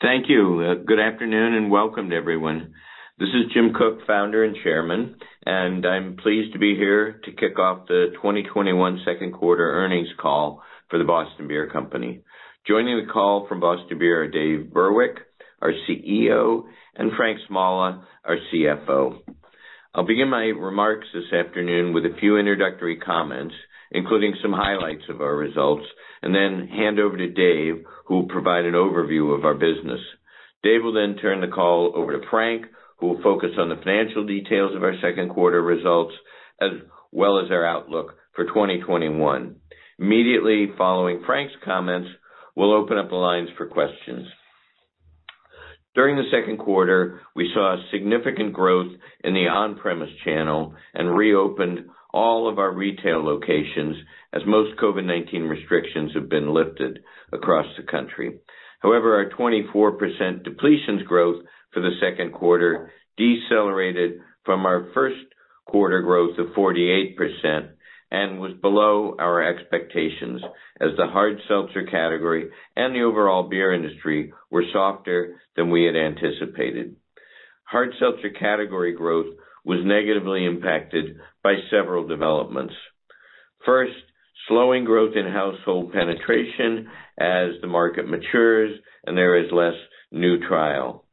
Thank you. Good afternoon, and welcome to everyone. This is Jim Koch, founder and chairman, and I'm pleased to be here to kick off the 2021 second quarter earnings call for The Boston Beer Company. Joining the call from Boston Beer are Dave Burwick, our CEO, and Frank Smalla, our CFO. I'll begin my remarks this afternoon with a few introductory comments, including some highlights of our results, and then hand over to Dave, who will provide an overview of our business. Dave will turn the call over to Frank, who will focus on the financial details of our second quarter results, as well as our outlook for 2021. Immediately following Frank's comments, we'll open up the lines for questions. During the second quarter, we saw significant growth in the on-premise channel and reopened all of our retail locations as most COVID-19 restrictions have been lifted across the country. However, our 24% depletions growth for the second quarter decelerated from our first quarter growth of 48% and was below our expectations as the hard seltzer category and the overall beer industry were softer than we had anticipated. Hard seltzer category growth was negatively impacted by several developments. First, slowing growth in household penetration as the market matures and there is less new trial.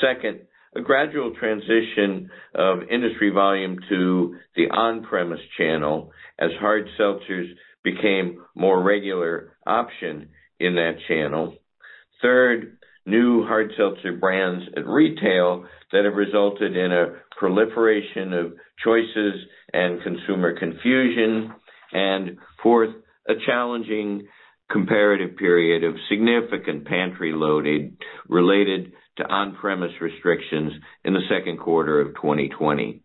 Second, a gradual transition of industry volume to the on-premise channel as hard seltzers became more regular option in that channel. Third, new hard seltzer brands at retail that have resulted in a proliferation of choices and consumer confusion. Fourth, a challenging comparative period of significant pantry loading related to on-premise restrictions in the second quarter of 2020.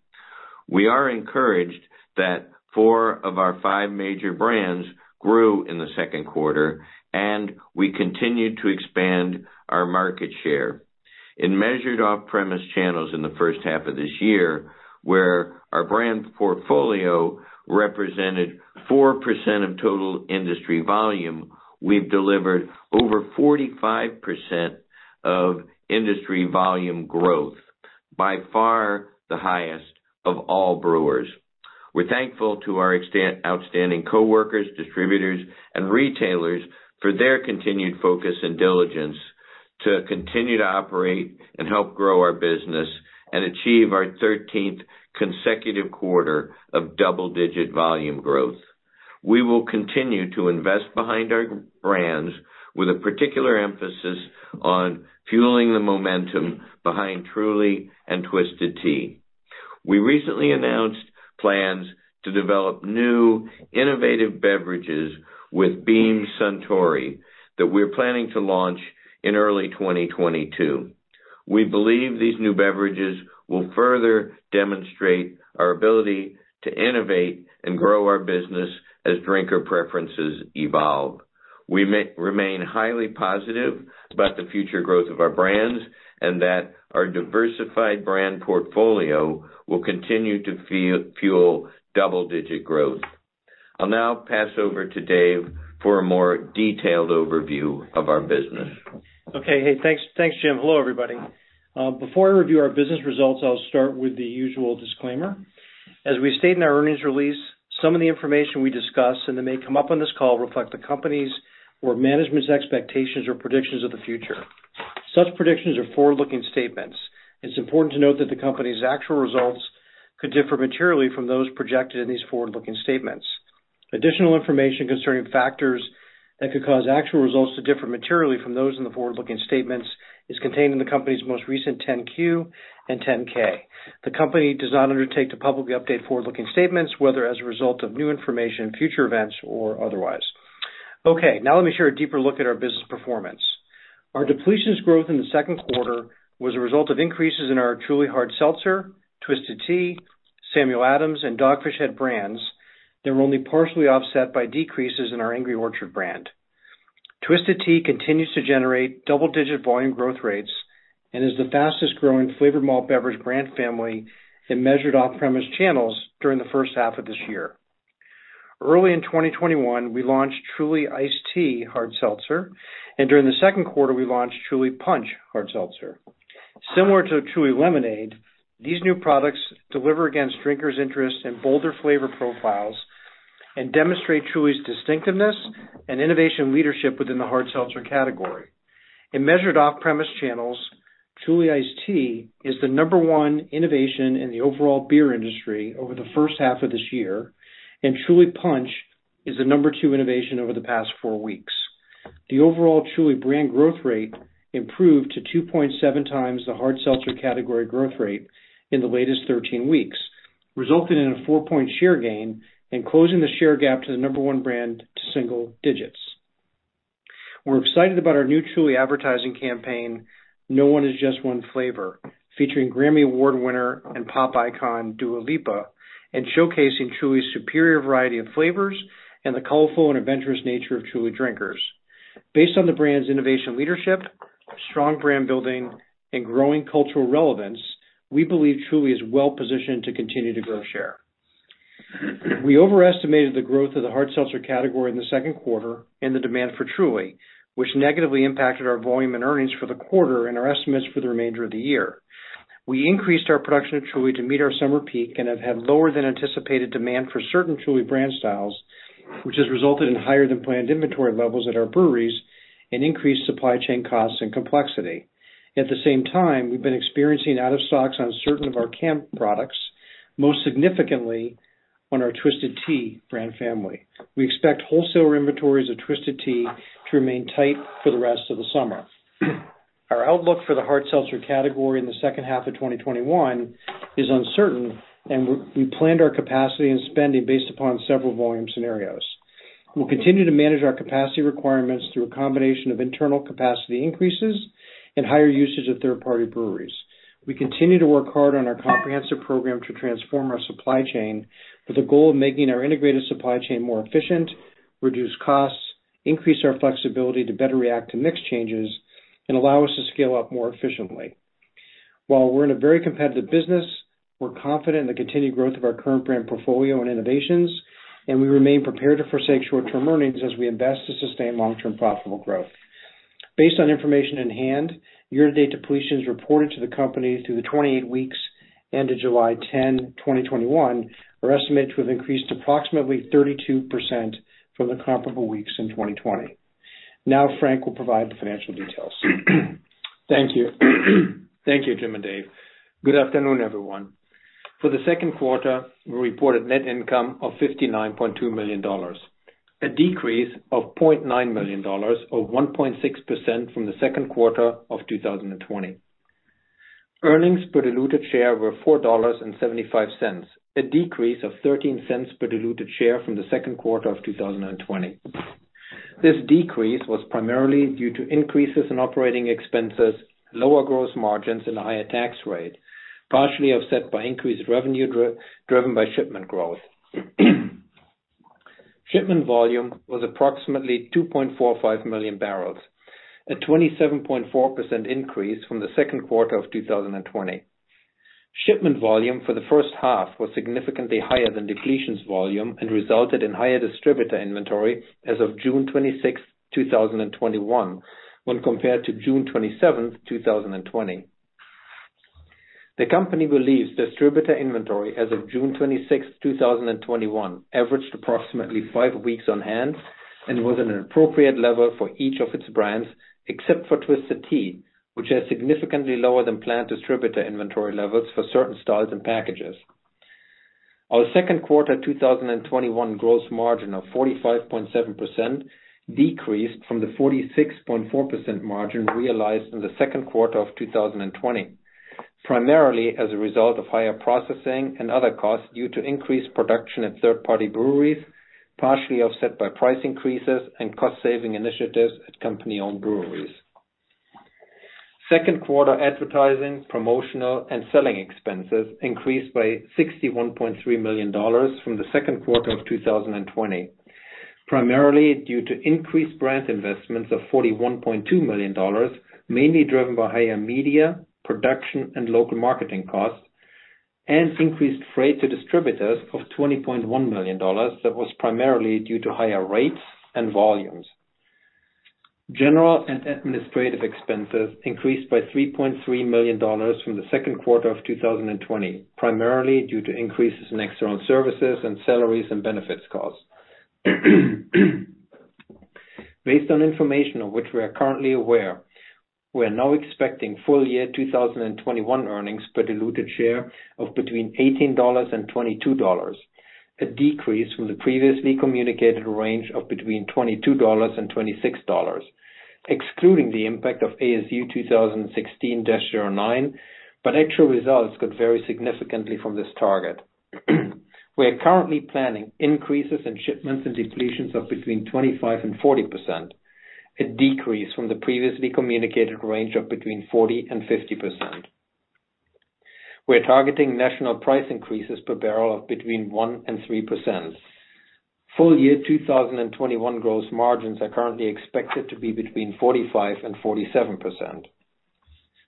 We are encouraged that four of our five major brands grew in the second quarter, and we continued to expand our market share. In measured off-premise channels in the first half of this year, where our brand portfolio represented 4% of total industry volume, we've delivered over 45% of industry volume growth, by far the highest of all brewers. We're thankful to our outstanding coworkers, distributors, and retailers for their continued focus and diligence to continue to operate and help grow our business and achieve our 13th consecutive quarter of double-digit volume growth. We will continue to invest behind our brands with a particular emphasis on fueling the momentum behind Truly and Twisted Tea. We recently announced plans to develop new innovative beverages with Beam Suntory that we're planning to launch in early 2022. We believe these new beverages will further demonstrate our ability to innovate and grow our business as drinker preferences evolve. We remain highly positive about the future growth of our brands and that our diversified brand portfolio will continue to fuel double-digit growth. I'll now pass over to Dave for a more detailed overview of our business. Okay. Hey, thanks, Jim. Hello, everybody. Before I review our business results, I'll start with the usual disclaimer. As we state in our earnings release, some of the information we discuss and that may come up on this call reflect the company's or management's expectations or predictions of the future. Such predictions are forward-looking statements. It's important to note that the company's actual results could differ materially from those projected in these forward-looking statements. Additional information concerning factors that could cause actual results to differ materially from those in the forward-looking statements is contained in the company's most recent 10-Q and 10-K. The company does not undertake to publicly update forward-looking statements, whether as a result of new information, future events, or otherwise. Okay. Now let me share a deeper look at our business performance. Our depletions growth in the second quarter was a result of increases in our Truly Hard Seltzer, Twisted Tea, Samuel Adams, and Dogfish Head brands that were only partially offset by decreases in our Angry Orchard brand. Twisted Tea continues to generate double-digit volume growth rates and is the fastest-growing flavored malt beverage brand family in measured off-premise channels during the first half of this year. Early in 2021, we launched Truly Iced Tea Hard Seltzer, and during the second quarter, we launched Truly Punch Hard Seltzer. Similar to Truly Lemonade, these new products deliver against drinkers' interests in bolder flavor profiles and demonstrate Truly's distinctiveness and innovation leadership within the hard seltzer category. In measured off-premise channels, Truly Iced Tea is the number one innovation in the overall beer industry over the first half of this year, and Truly Punch is the number two innovation over the past four weeks. The overall Truly brand growth rate improved to 2.7 times the hard seltzer category growth rate in the latest 13 weeks, resulting in a four-point share gain and closing the share gap to the number one brand to single digits. We're excited about our new Truly advertising campaign, No One Is Just One Flavor, featuring Grammy Award winner and pop icon, Dua Lipa, and showcasing Truly's superior variety of flavors and the colorful and adventurous nature of Truly drinkers. Based on the brand's innovation leadership, strong brand building, and growing cultural relevance, we believe Truly is well-positioned to continue to grow share. We overestimated the growth of the hard seltzer category in the second quarter and the demand for Truly, which negatively impacted our volume and earnings for the quarter and our estimates for the remainder of the year. We increased our production of Truly to meet our summer peak and have had lower than anticipated demand for certain Truly brand styles, which has resulted in higher than planned inventory levels at our breweries and increased supply chain costs and complexity. At the same time, we've been experiencing out of stocks on certain of our canned products, most significantly on our Twisted Tea brand family. We expect wholesale inventories of Twisted Tea to remain tight for the rest of the summer. Our outlook for the hard seltzer category in the second half of 2021 is uncertain, and we planned our capacity and spending based upon several volume scenarios. We'll continue to manage our capacity requirements through a combination of internal capacity increases and higher usage of third-party breweries. We continue to work hard on our comprehensive program to transform our supply chain with the goal of making our integrated supply chain more efficient, reduce costs, increase our flexibility to better react to mix changes, and allow us to scale up more efficiently. While we're in a very competitive business, we're confident in the continued growth of our current brand portfolio and innovations, and we remain prepared to forsake short-term earnings as we invest to sustain long-term profitable growth. Based on information in hand, year-to-date depletions reported to the company through the 28 weeks ended July 10th, 2021, our estimates have increased approximately 32% from the comparable weeks in 2020. Now Frank will provide the financial details. Thank you. Thank you, Jim and Dave. Good afternoon, everyone. For the second quarter, we reported net income of $59.2 million, a decrease of $0.9 million, or 1.6% from the second quarter of 2020. Earnings per diluted share were $4.75, a decrease of $0.13 per diluted share from the second quarter of 2020. This decrease was primarily due to increases in operating expenses, lower gross margins, and a higher tax rate, partially offset by increased revenue driven by shipment growth. Shipment volume was approximately 2.45 million barrels, a 27.4% increase from the second quarter of 2020. Shipment volume for the first half was significantly higher than depletions volume and resulted in higher distributor inventory as of June 26th, 2021 when compared to June 27th, 2020. The company believes distributor inventory as of June 26th, 2021 averaged approximately five weeks on hand and was an appropriate level for each of its brands except for Twisted Tea, which has significantly lower than planned distributor inventory levels for certain styles and packages. Our second quarter 2021 gross margin of 45.7% decreased from the 46.4% margin realized in the second quarter of 2020, primarily as a result of higher processing and other costs due to increased production at third-party breweries, partially offset by price increases and cost-saving initiatives at company-owned breweries. Second quarter advertising, promotional, and selling expenses increased by $61.3 million from the second quarter of 2020, primarily due to increased brand investments of $41.2 million, mainly driven by higher media, production, and local marketing costs and increased freight to distributors of $20.1 million that was primarily due to higher rates and volumes. General and administrative expenses increased by $3.3 million from the second quarter of 2020, primarily due to increases in external services and salaries and benefits costs. Based on information of which we are currently aware, we are now expecting full year 2021 earnings per diluted share of between $18 and $22, a decrease from the previously communicated range of between $22 and $26, excluding the impact of ASU 2016-09, but actual results could vary significantly from this target. We are currently planning increases in shipments and depletions of between 25% and 40%, a decrease from the previously communicated range of between 40% and 50%. We're targeting national price increases per barrel of between 1% and 3%. Full year 2021 gross margins are currently expected to be between 45% and 47%.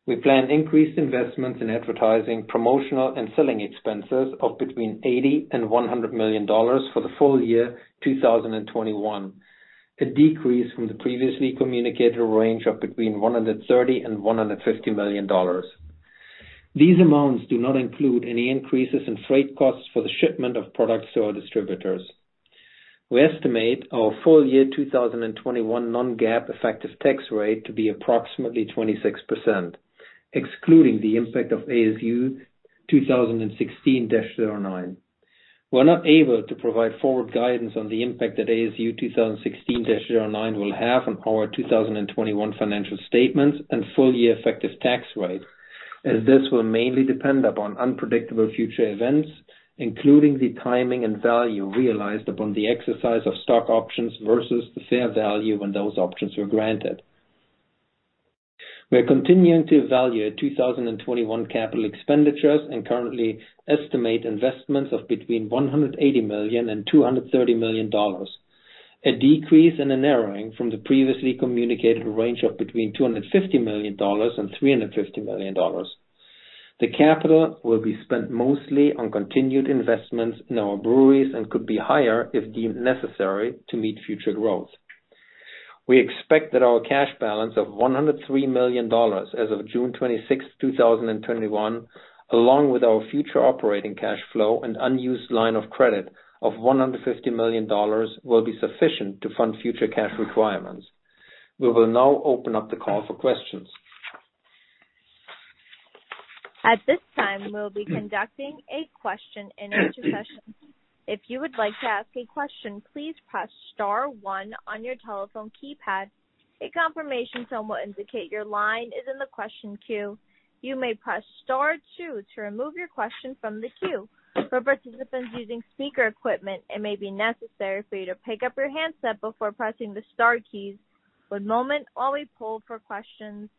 We plan increased investments in advertising, promotional, and selling expenses of between $80 million and $100 million for the full year 2021. A decrease from the previously communicated range of between $130 million and $150 million. These amounts do not include any increases in freight costs for the shipment of products to our distributors. We estimate our full year 2021 non-GAAP effective tax rate to be approximately 26%, excluding the impact of ASU 2016-09. We're not able to provide forward guidance on the impact that ASU 2016-09 will have on our 2021 financial statements and full-year effective tax rate, as this will mainly depend upon unpredictable future events, including the timing and value realized upon the exercise of stock options versus the fair value when those options were granted. We are continuing to evaluate 2021 capital expenditures and currently estimate investments of between $180 million and $230 million, a decrease and a narrowing from the previously communicated range of between $250 million and $350 million. The capital will be spent mostly on continued investments in our breweries and could be higher if deemed necessary to meet future growth. We expect that our cash balance of $103 million as of June 26th, 2021, along with our future operating cash flow and unused line of credit of $150 million, will be sufficient to fund future cash requirements. We will now open up the call for questions. At this time, we'll be conducting a question and answer session. If you would like to ask a question, please press star one on your telephone keypad. A confirmation tone will indicate your line is in the question queue. You may press star two to remove your question from the queue. For participants using speaker equipment, it may be necessary for you to pick up your handset before pressing the star keys. One moment while we poll for questions.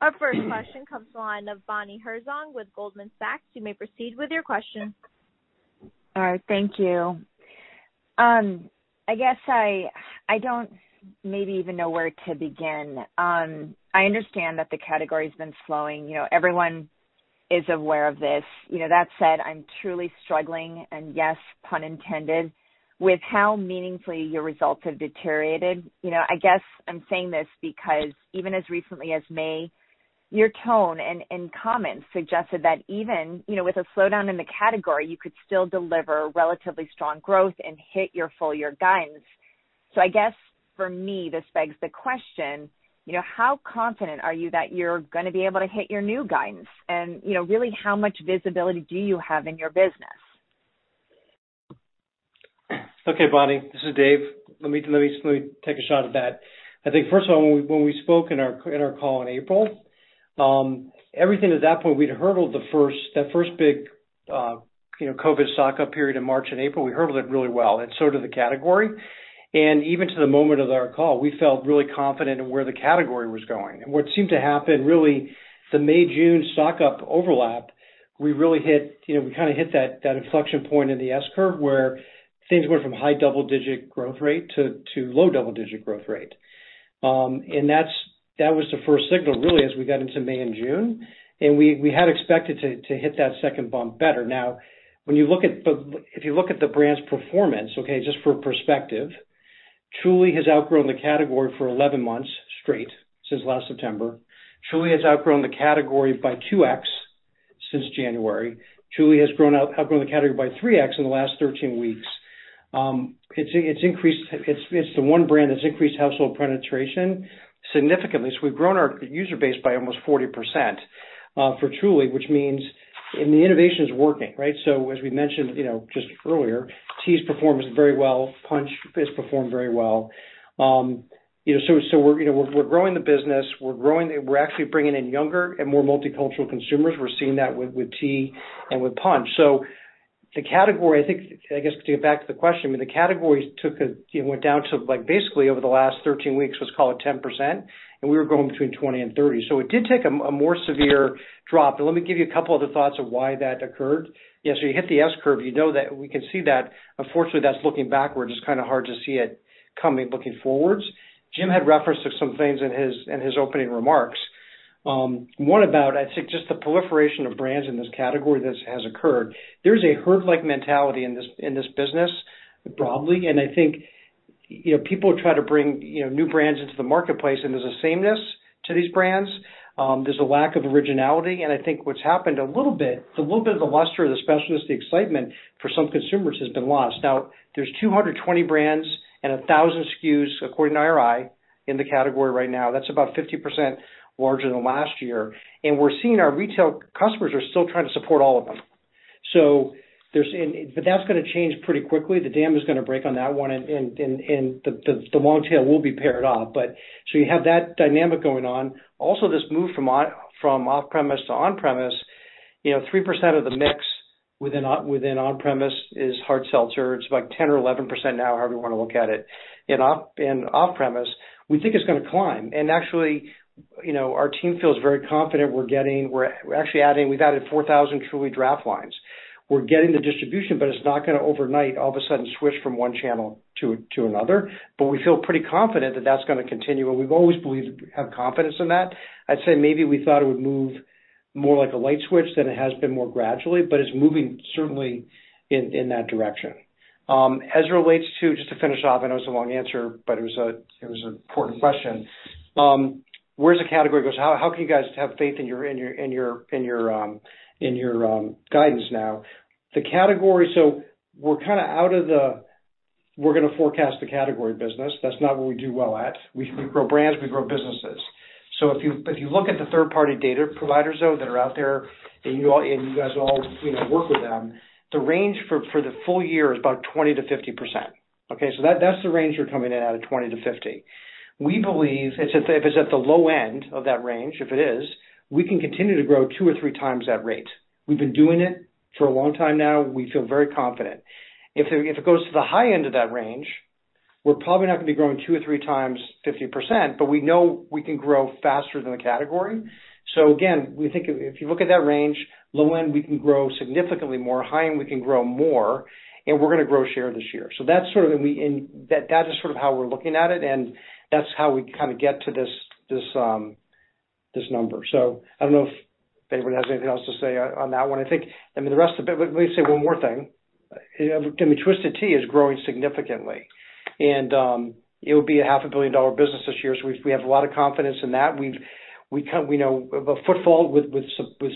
Our first question comes to the line of Bonnie Herzog with Goldman Sachs. You may proceed with your question. All right. Thank you. I guess I don't maybe even know where to begin. I understand that the category's been slowing. Everyone is aware of this. That said, I'm Truly struggling, and yes, pun intended, with how meaningfully your results have deteriorated. I guess I'm saying this because even as recently as May, your tone and comments suggested that even with a slowdown in the category, you could still deliver relatively strong growth and hit your full year guidance. I guess for me, this begs the question, how confident are you that you're going to be able to hit your new guidance? Really, how much visibility do you have in your business? Okay, Bonnie, this is Dave. Let me take a shot at that. I think first of all, when we spoke in our call in April, everything at that point, we'd hurdled that first big COVID stock-up period in March and April, we hurdled it really well, and so did the category. Even to the moment of our call, we felt really confident in where the category was going. What seemed to happen, really, the May, June stock-up overlap, we kind of hit that inflection point in the S-curve, where things went from high double-digit growth rate to low double-digit growth rate. That was the first signal, really, as we got into May and June, and we had expected to hit that second bump better. Now, if you look at the brand's performance, okay, just for perspective, Truly has outgrown the category for 11 months straight since last September. Truly has outgrown the category by 2x since January. Truly has outgrown the category by 3x in the last 13 weeks. It's the one brand that's increased household penetration significantly. We've grown our user base by almost 40% for Truly, which means the innovation is working, right? As we mentioned just earlier, Tea's performance is very well. Punch is performed very well. We're growing the business. We're actually bringing in younger and more multicultural consumers. We're seeing that with Tea and with Punch. I guess to get back to the question, the category went down to basically over the last 13 weeks, let's call it 10%, and we were growing between 20% and 30%. It did take a more severe drop. Let me give you a couple other thoughts of why that occurred. You hit the S-curve, you know that we can see that. Unfortunately, that's looking backward. It's kind of hard to see it coming, looking forwards. Jim had referenced some things in his opening remarks. One about, I think, just the proliferation of brands in this category that has occurred. There's a herd-like mentality in this business, broadly, and I think people try to bring new brands into the marketplace, and there's a sameness to these brands. There's a lack of originality, and I think what's happened a little bit, a little bit of the luster, the specialness, the excitement for some consumers has been lost. There's 220 brands and 1,000 SKUs, according to IRI, in the category right now. That's about 50% larger than last year. We're seeing our retail customers are still trying to support all of them. That's gonna change pretty quickly. The dam is gonna break on that one, and the long tail will be pared off. You have that dynamic going on. Also, this move from off-premise to on-premise, 3% of the mix within on-premise is hard seltzer. It's like 10% or 11% now, however you want to look at it. In off-premise, we think it's gonna climb. Actually, our team feels very confident. We've added 4,000 Truly draft lines. We're getting the distribution, but it's not gonna overnight all of a sudden switch from one channel to another. We feel pretty confident that that's gonna continue, and we've always believed, have confidence in that. I'd say maybe we thought it would move more like a light switch than it has been more gradually, but it's moving certainly in that direction. As relates to, just to finish off, I know it's a long answer, but it was an important question. Where's the category goes? How can you guys have faith in your guidance now? We're gonna forecast the category business. That's not what we do well at. We grow brands, we grow businesses. If you look at the third-party data providers, though, that are out there, and you guys all work with them, the range for the full year is about 20%-50%. Okay? That's the range we're coming in at 20%-50%. If it's at the low end of that range, if it is, we can continue to grow two or three times that rate. We've been doing it for a long time now. We feel very confident. If it goes to the high end of that range, we're probably not gonna be growing two or three times 50%, but we know we can grow faster than the category. Again, we think if you look at that range, low end, we can grow significantly more, high end, we can grow more, and we're gonna grow share this year. That is sort of how we're looking at it, and that's how we kind of get to this number. I don't know if Dave has anything else to say on that one. Let me say one more thing. Twisted Tea is growing significantly, and it'll be a half a billion-dollar business this year. We have a lot of confidence in that. We know of a footfall with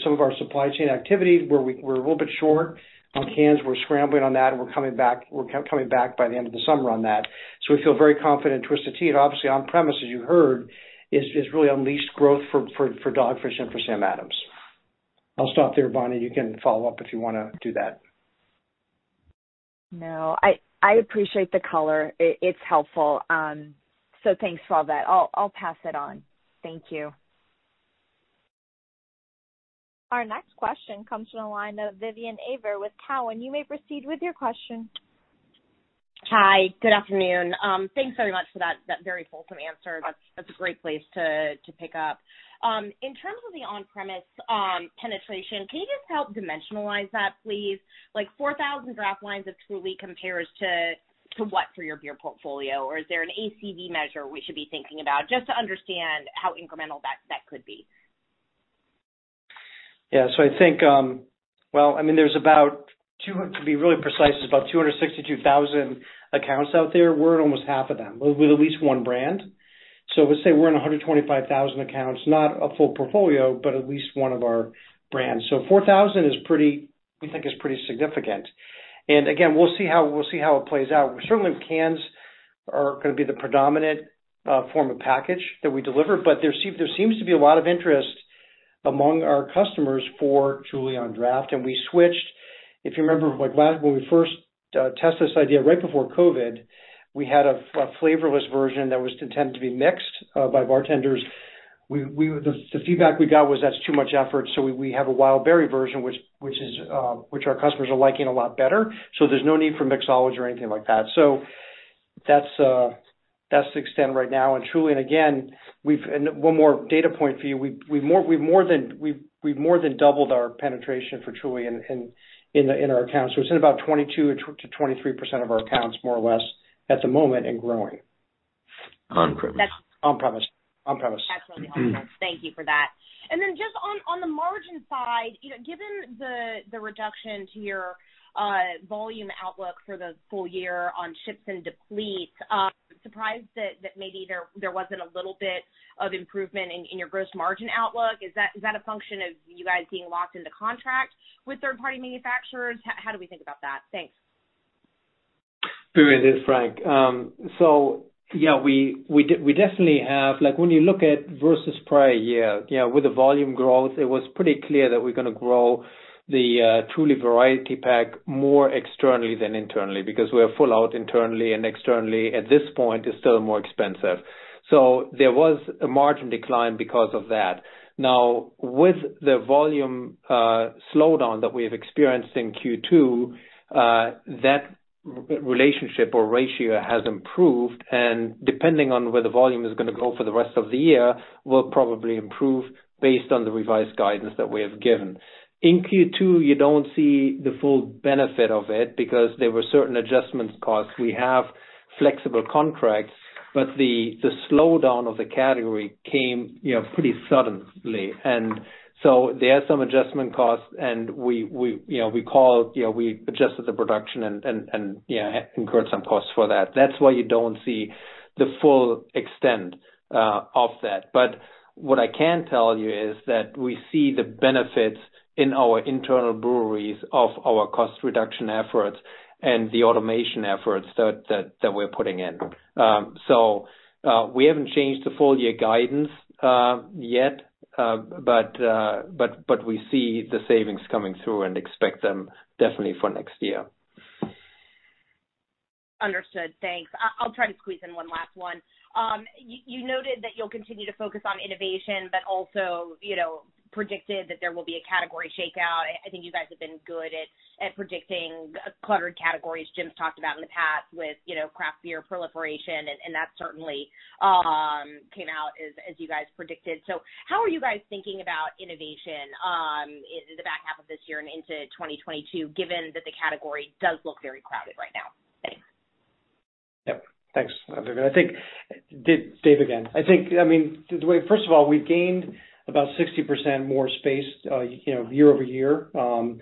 some of our supply chain activity where we're a little bit short on cans. We're scrambling on that and we're coming back by the end of the summer on that. We feel very confident in Twisted Tea. Obviously on-premise, as you heard, is really unleashed growth for Dogfish and for Sam Adams. I'll stop there, Bonnie. You can follow up if you want to do that. No, I appreciate the color. It's helpful. Thanks for all that. I'll pass it on. Thank you. Our next question comes from the line of Vivien Azer with Cowen. You may proceed with your question. Hi, good afternoon. Thanks very much for that very fulsome answer. That's a great place to pick up. In terms of the on-premise penetration, can you just help dimensionalize that, please? Like 4,000 draft lines of Truly compares to what for your beer portfolio? Or is there an ACV measure we should be thinking about? Just to understand how incremental that could be. To be really precise, it's about 262,000 accounts out there. We're in almost half of them with at least one brand. Let's say we're in 125,000 accounts, not a full portfolio, but at least one of our brands. 4,000 we think is pretty significant. Again, we'll see how it plays out. Certainly cans are going to be the predominant form of package that we deliver, there seems to be a lot of interest among our customers for Truly on draft. We switched, if you remember, when we first tested this idea right before COVID, we had a flavorless version that was intended to be mixed by bartenders. The feedback we got was, "That's too much effort," we have a Wild Berry version, which our customers are liking a lot better. There's no need for mixology or anything like that. That's the extent right now. Again, one more data point for you, we've more than doubled our penetration for Truly in our accounts. It's in about 22%-23% of our accounts, more or less, at the moment, and growing. On-premise. On-premise. That's really helpful. Thank you for that. Just on the margin side, given the reduction to your volume outlook for the full year on ships and depletes, surprised that maybe there wasn't a little bit of improvement in your gross margin outlook. Is that a function of you guys being locked into contracts with third-party manufacturers? How do we think about that? Thanks. Vivien, this is Frank. Yeah, when you look at versus prior year, with the volume growth, it was pretty clear that we're going to grow the Truly variety pack more externally than internally, because we are full out internally, and externally at this point is still more expensive. There was a margin decline because of that. Now, with the volume slowdown that we have experienced in Q2, that relationship or ratio has improved, and depending on where the volume is going to go for the rest of the year, will probably improve based on the revised guidance that we have given. In Q2, you don't see the full benefit of it because there were certain adjustments costs. We have flexible contracts, but the slowdown of the category came pretty suddenly. There are some adjustment costs, and we adjusted the production and incurred some costs for that. That's why you don't see the full extent of that. What I can tell you is that we see the benefits in our internal breweries of our cost reduction efforts and the automation efforts that we're putting in. We haven't changed the full-year guidance yet. We see the savings coming through and expect them definitely for next year. Understood. Thanks. I'll try to squeeze in one last one. You noted that you'll continue to focus on innovation, but also predicted that there will be a category shakeout. I think you guys have been good at predicting cluttered categories. Jim's talked about in the past with craft beer proliferation, and that certainly came out as you guys predicted. How are you guys thinking about innovation in the back half of this year and into 2022, given that the category does look very crowded right now? Thanks. Yep. Thanks, Vivien. Dave again. First of all, we've gained about 60% more space year-over-year on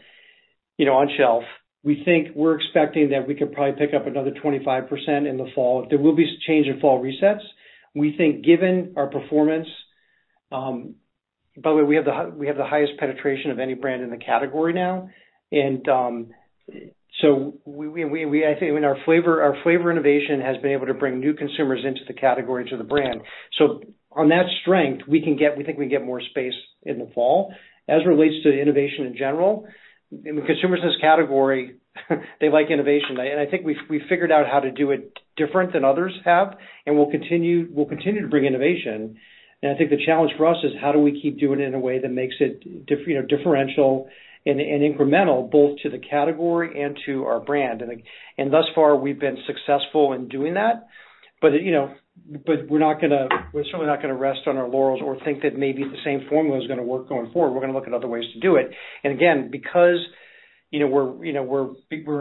shelf. We're expecting that we could probably pick up another 25% in the fall. There will be change in fall resets. By the way, we have the highest penetration of any brand in the category now. I think our flavor innovation has been able to bring new consumers into the category, to the brand. On that strength, we think we can get more space in the fall. As it relates to innovation in general, consumers in this category, they like innovation, and I think we've figured out how to do it different than others have, and we'll continue to bring innovation. I think the challenge for us is how do we keep doing it in a way that makes it differential and incremental, both to the category and to our brand? Thus far, we've been successful in doing that. We're certainly not going to rest on our laurels or think that maybe the same formula is going to work going forward. We're going to look at other ways to do it. Again, because we're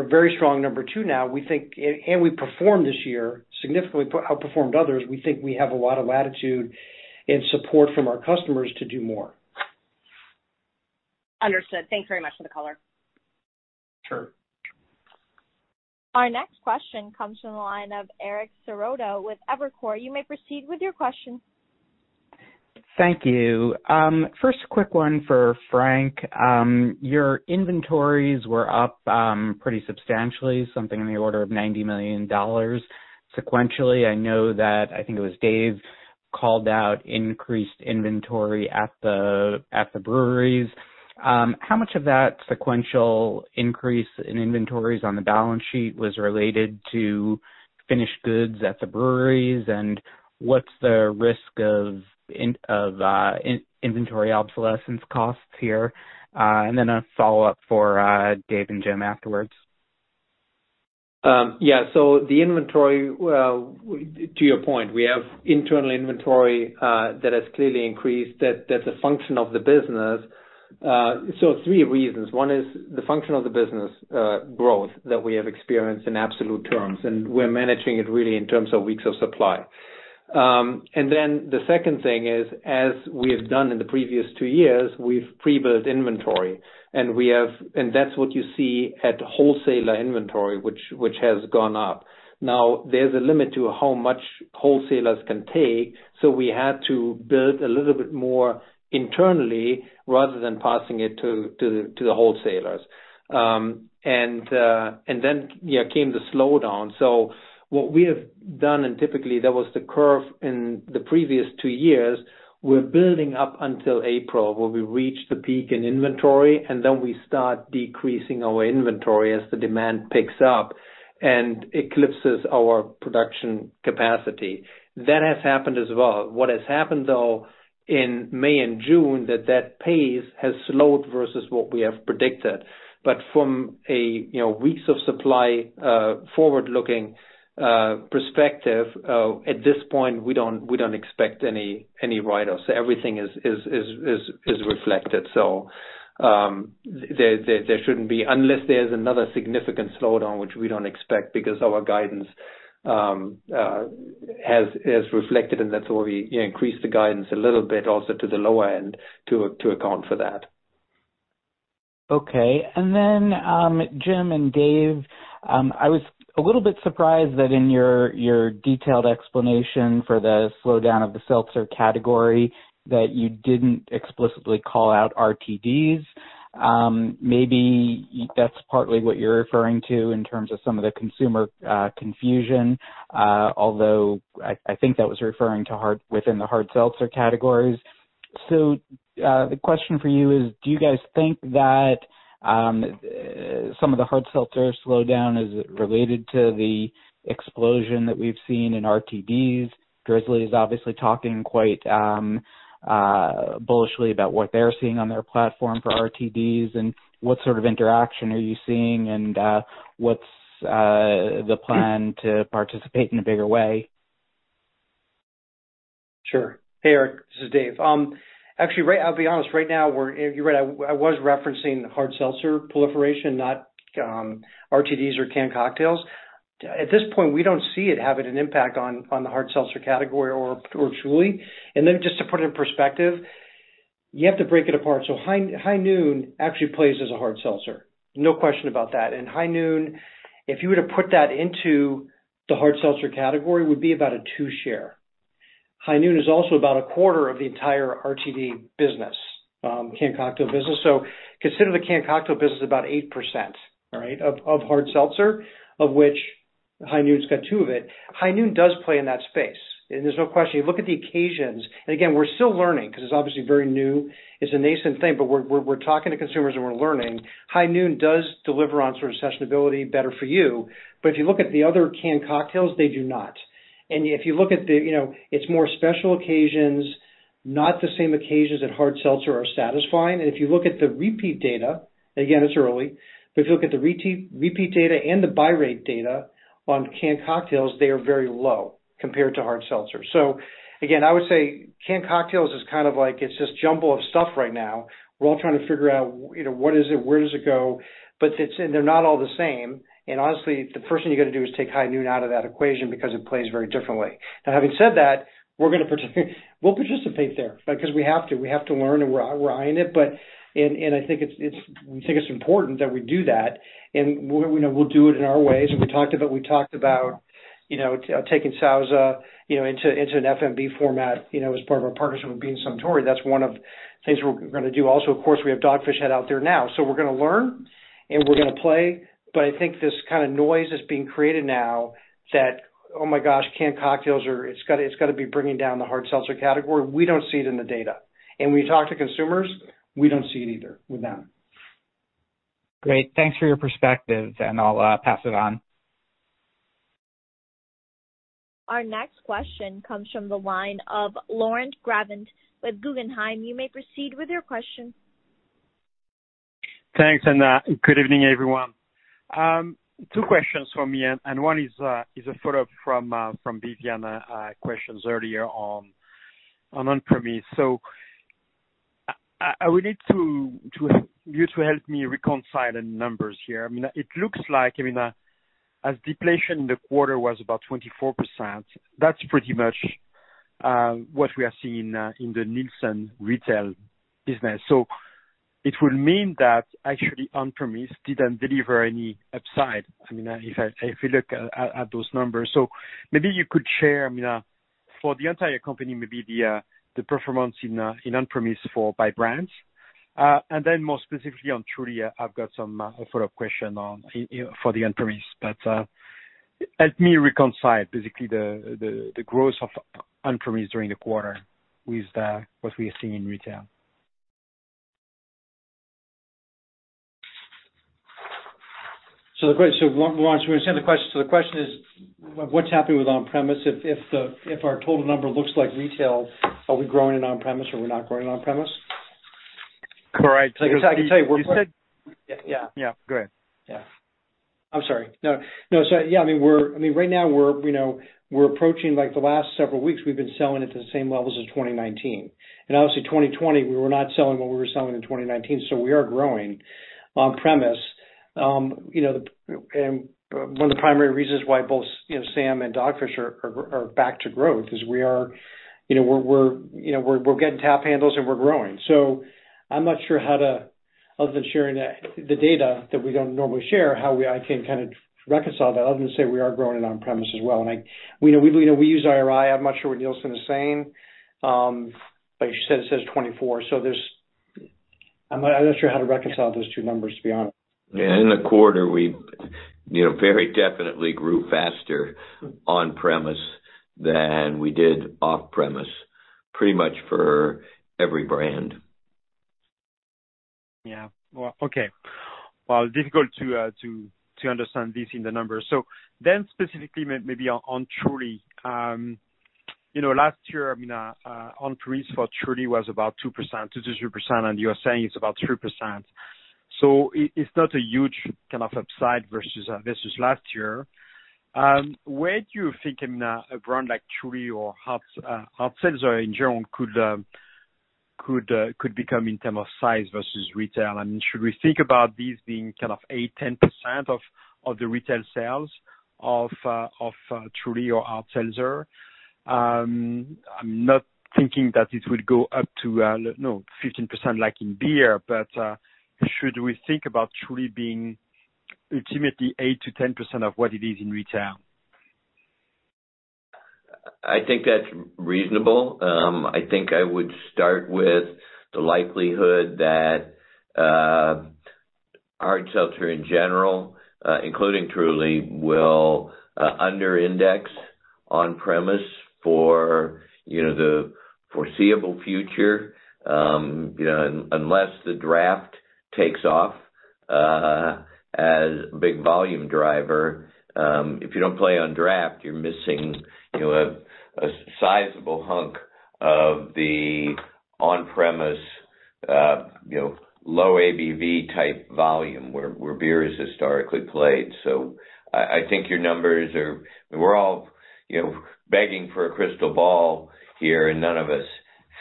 a very strong number two now, and we performed this year, significantly outperformed others. We think we have a lot of latitude and support from our customers to do more. Understood. Thanks very much for the color. Sure. Our next question comes from the line of Eric Serotta with Evercore. You may proceed with your question. Thank you. First quick one for Frank. Your inventories were up pretty substantially, something in the order of $90 million. Sequentially, I know that, I think it was Dave, called out increased inventory at the breweries. How much of that sequential increase in inventories on the balance sheet was related to finished goods at the breweries, and what's the risk of inventory obsolescence costs here? A follow-up for Dave and Jim afterwards. Yeah. The inventory, to your point, we have internal inventory that has clearly increased. That's a function of the business. three reasons. One is the function of the business growth that we have experienced in absolute terms, and we're managing it really in terms of weeks of supply. The second thing is, as we have done in the previous two years, we've pre-built inventory. That's what you see at wholesaler inventory, which has gone up. Now, there's a limit to how much wholesalers can take, so we had to build a little bit more internally rather than passing it to the wholesalers. Came the slowdown. What we have done, and typically that was the curve in the previous two years, we're building up until April, where we reach the peak in inventory, and then we start decreasing our inventory as the demand picks up and eclipses our production capacity. That has happened as well. What has happened, though, in May and June, that that pace has slowed versus what we have predicted. From a weeks of supply, forward-looking perspective, at this point, we don't expect any write-offs. Everything is reflected. There shouldn't be, unless there's another significant slowdown, which we don't expect because our guidance has reflected, and that's why we increased the guidance a little bit also to the lower end to account for that. Okay. Jim and Dave, I was a little bit surprised that in your detailed explanation for the slowdown of the seltzer category that you didn't explicitly call out RTDs. Maybe that's partly what you're referring to in terms of some of the consumer confusion. Although I think that was referring within the hard seltzer categories. The question for you is, do you guys think that some of the hard seltzer slowdown is related to the explosion that we've seen in RTDs? Drizly is obviously talking quite bullishly about what they're seeing on their platform for RTDs, and what sort of interaction are you seeing, and what's the plan to participate in a bigger way? Sure. Hey, Eric, this is Dave. I'll be honest, right now, you're right, I was referencing hard seltzer proliferation, not RTDs or canned cocktails. At this point, we don't see it having an impact on the hard seltzer category or Truly. Just to put it in perspective, you have to break it apart. High Noon actually plays as a hard seltzer. No question about that. High Noon, if you were to put that into the hard seltzer category, would be about a two-share. High Noon is also about a quarter of the entire RTD business, canned cocktail business. Consider the canned cocktail business about 8%, right, of hard seltzer, of which High Noon's got two of it. High Noon does play in that space, and there's no question. You look at the occasions, and again, we're still learning because it's obviously very new. It's a nascent thing, but we're talking to consumers, and we're learning. High Noon does deliver on sort of sessionability better for you. If you look at the other canned cocktails, they do not. If you look at the, it's more special occasions, not the same occasions that hard seltzer are satisfying. If you look at the repeat data, again, it's early, but if you look at the repeat data and the buy rate data on canned cocktails, they are very low compared to hard seltzer. Again, I would say canned cocktails is kind of like, it's this jumble of stuff right now. We're all trying to figure out, what is it? Where does it go? They're not all the same. Honestly, the first thing you got to do is take High Noon out of that equation because it plays very differently. Having said that, we'll participate there because we have to. We have to learn, and we're eyeing it. We think it's important that we do that, and we'll do it in our ways. We talked about taking Sauza into an FMB format as part of our partnership with Beam Suntory. That's one of the things we're going to do. Also, of course, we have Dogfish Head out there now. We're going to learn, and we're going to play. I think this kind of noise that's being created now that, oh my gosh, canned cocktails, it's got to be bringing down the hard seltzer category. We don't see it in the data. When we talk to consumers, we don't see it either with them. Great. Thanks for your perspective, I'll pass it on. Our next question comes from the line of Laurent Grandet with Guggenheim. You may proceed with your question. Thanks, and good evening, everyone. Two questions from me. One is a follow-up from Vivien Azer questions earlier on on-premise. I would need you to help me reconcile the numbers here. It looks like the depletion in the quarter was about 24%, that's pretty much what we are seeing in the Nielsen retail business. It would mean that actually on-premise didn't deliver any upside. If you look at those numbers. Maybe you could share, for the entire company, maybe the performance in on-premise by brands. More specifically on Truly, I've got some follow-up question on for the on-premise. Help me reconcile basically the growth of on-premise during the quarter with what we are seeing in retail. The question is, what's happening with on-premise? If our total number looks like retail, are we growing in on-premise or we're not growing on-premise? Correct. In fact, I can tell you. You said. Yeah. Yeah. Go ahead. Yeah. I'm sorry. No. Yeah, right now we're approaching like the last several weeks, we've been selling at the same levels as 2019. Obviously 2020, we were not selling what we were selling in 2019, so we are growing on-premise. One of the primary reasons why both Sam and Dogfish are back to growth is we're getting tap handles and we're growing. I'm not sure how to, other than sharing the data that we don't normally share, how I can kind of reconcile that, other than say we are growing in on-premise as well. We use IRI. I'm not sure what Nielsen is saying. You said it says 24. I'm not sure how to reconcile those two numbers, to be honest. In the quarter, we very definitely grew faster on-premise than we did off-premise pretty much for every brand. Yeah. Well, okay. Well, difficult to understand this in the numbers. Specifically maybe on Truly. Last year, on-premise for Truly was about 2%-3%, and you're saying it's about 3%. It's not a huge kind of upside versus last year. Where do you think a brand like Truly or hard seltzers in general could become in term of size versus retail? Should we think about these being kind of 8%-10% of the retail sales of Truly or hard seltzer? I'm not thinking that it would go up to 15% like in beer, but should we think about Truly being ultimately 8%-10% of what it is in retail? I think that's reasonable. I think I would start with the likelihood that hard seltzer in general, including Truly, will under index on-premise for the foreseeable future. Unless the draft takes off as a big volume driver. If you don't play on draft, you're missing a sizable hunk of the on-premise low ABV type volume where beer is historically played. We're all begging for a crystal ball here, and none of us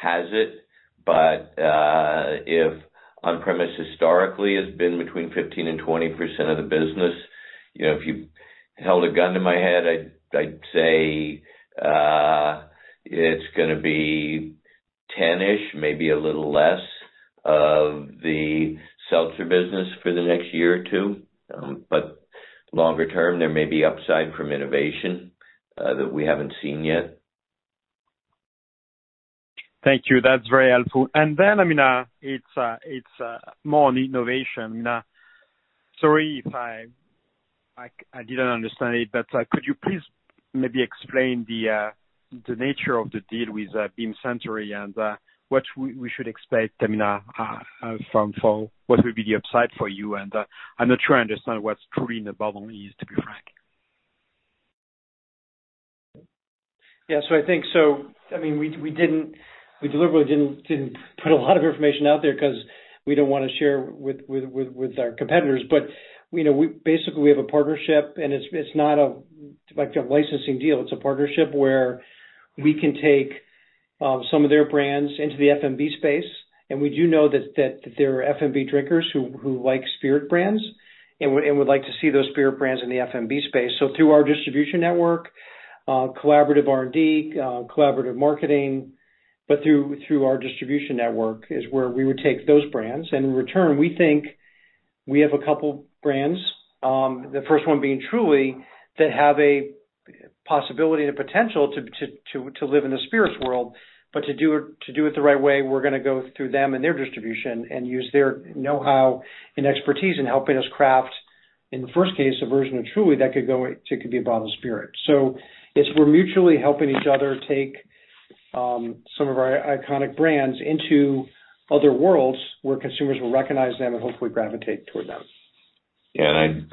has it. If on-premise historically has been between 15%-20% of the business, if you held a gun to my head, I'd say it's gonna be 10-ish, maybe a little less of the seltzer business for the next year or two. Longer term, there may be upside from innovation that we haven't seen yet. Thank you. That's very helpful. It's more on innovation. Sorry if I didn't understand it, could you please maybe explain the nature of the deal with Beam Suntory and what we should expect from What will be the upside for you? I'm not sure I understand what's Truly in the bottle is, to be frank. Yeah. I think we deliberately didn't put a lot of information out there because we don't want to share with our competitors. Basically, we have a partnership, and it's not like a licensing deal. It's a partnership where we can take some of their brands into the FMB space. We do know that there are FMB drinkers who like spirit brands and would like to see those spirit brands in the FMB space. Through our distribution network, collaborative R&D, collaborative marketing, but through our distribution network is where we would take those brands. In return, we think we have a couple brands, the first one being Truly, that have a possibility and a potential to live in the spirits world. To do it the right way, we're gonna go through them and their distribution and use their know-how and expertise in helping us craft, in the first case, a version of Truly that could be a bottled spirit. It's we're mutually helping each other take some of our iconic brands into other worlds where consumers will recognize them and hopefully gravitate toward them. I'd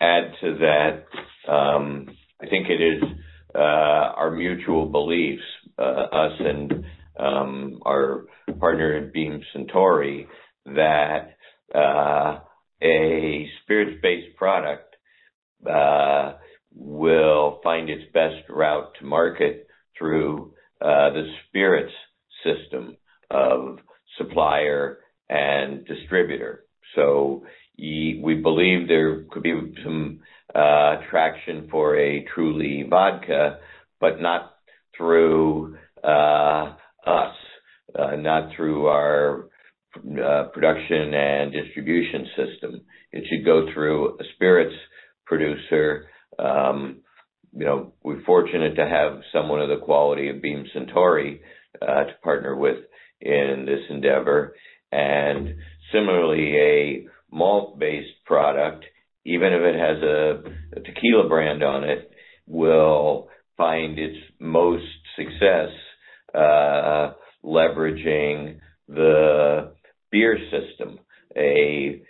add to that, I think it is our mutual beliefs, us and our partner Beam Suntory, that a spirits-based product will find its best route to market through the spirits system of supplier and distributor. We believe there could be some traction for a Truly Vodka, but not through us, not through our production and distribution system. It should go through a spirits producer. We're fortunate to have someone of the quality of Beam Suntory to partner with in this endeavor. Similarly, a malt-based product, even if it has a tequila brand on it, will find its most success leveraging the beer system, a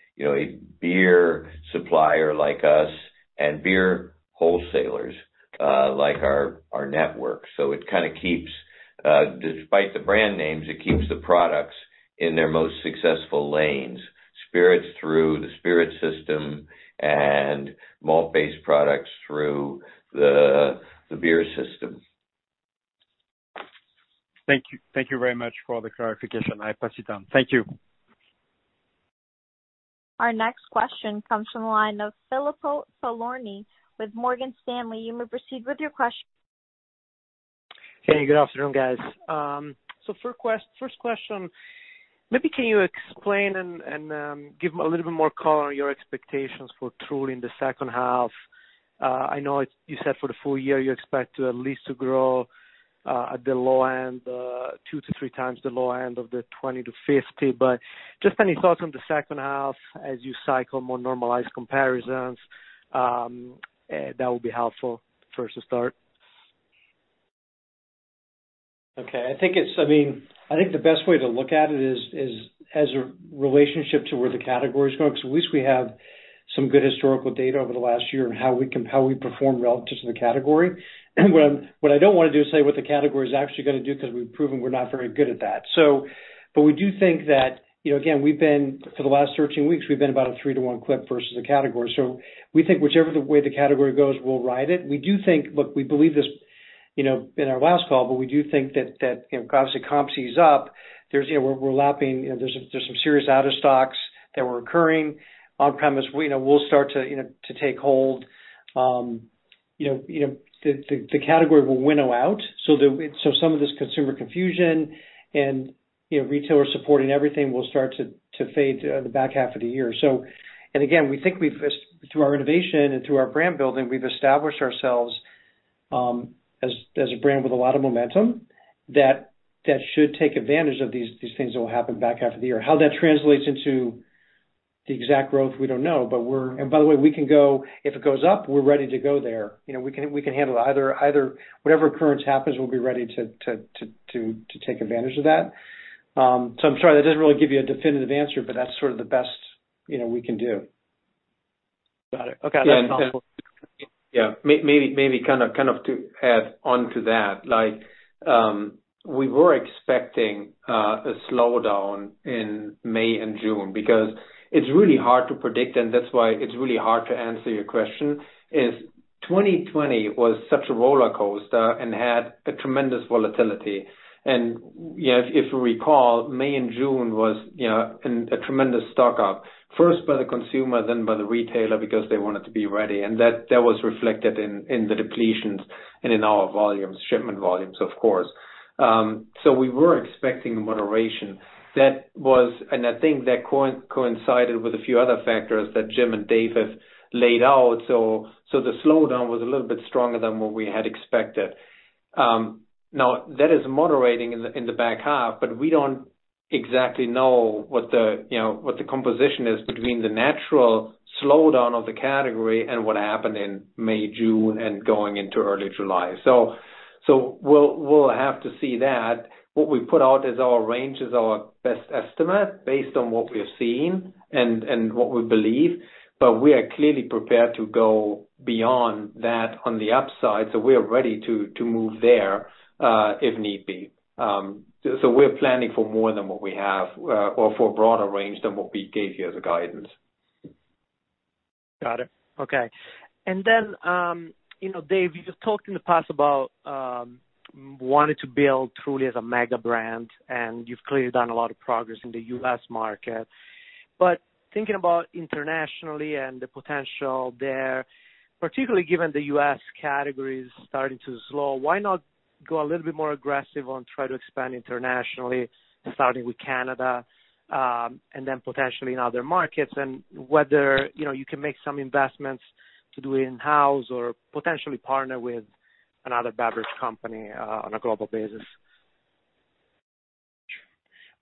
beer supplier like us and beer wholesalers like our network. Despite the brand names, it keeps the products in their most successful lanes, spirits through the spirit system, and malt-based products through the beer system. Thank you very much for the clarification. I pass it down. Thank you. Our next question comes from the line of Filippo Falorni with Morgan Stanley. You may proceed with your question. Hey, good afternoon, guys. First question, maybe can you explain and give a little bit more color on your expectations for Truly in the second half? I know you said for the full year you expect to at least grow at the low end, two to three times the low end of the 20%-50%. Just any thoughts on the second half as you cycle more normalized comparisons? That would be helpful for us to start. I think the best way to look at it is as a relationship to where the category is going, because at least we have some good historical data over the last year on how we perform relative to the category. What I don't want to do is say what the category is actually going to do because we've proven we're not very good at that. We do think that, again, for the last 13 weeks, we've been about a 3:1 clip versus the category. We think whichever way the category goes, we'll ride it. Look, we believe this in our last call, we do think that, obviously, COVID is up. We're lapping. There's some serious out of stocks that were occurring. On-premise will start to take hold. The category will winnow out. Some of this consumer confusion and retailer support and everything will start to fade the back half of the year. Again, we think through our innovation and through our brand building, we've established ourselves as a brand with a lot of momentum that should take advantage of these things that will happen back half of the year. How that translates into the exact growth, we don't know. By the way, if it goes up, we're ready to go there. We can handle either. Whatever occurrence happens, we'll be ready to take advantage of that. I'm sorry, that doesn't really give you a definitive answer, but that's sort of the best we can do. Got it. Okay. That's helpful. Yeah. Maybe kind of to add on to that, we were expecting a slowdown in May and June because it's really hard to predict, and that's why it's really hard to answer your question, is 2020 was such a roller coaster and had a tremendous volatility. If you recall, May and June was a tremendous stock-up, first by the consumer, then by the retailer, because they wanted to be ready. That was reflected in the depletions and in our volumes, shipment volumes, of course. We were expecting moderation. I think that coincided with a few other factors that Jim and Dave have laid out. The slowdown was a little bit stronger than what we had expected. That is moderating in the back half, but we don't exactly know what the composition is between the natural slowdown of the category and what happened in May, June, and going into early July. We'll have to see that. What we put out as our range is our best estimate based on what we are seeing and what we believe. We are clearly prepared to go beyond that on the upside. We are ready to move there if need be. We're planning for more than what we have or for a broader range than what we gave you as a guidance. Got it. Okay. Dave, you've talked in the past about wanting to build Truly as a mega brand, and you've clearly done a lot of progress in the U.S. market. Thinking about internationally and the potential there, particularly given the U.S. category is starting to slow, why not go a little bit more aggressive on trying to expand internationally, starting with Canada, and then potentially in other markets? Whether you can make some investments to do it in-house or potentially partner with another beverage company on a global basis.